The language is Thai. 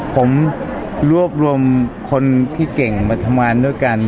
ผมรวบรวมคนที่เก่งมาทำงานด้วยกัน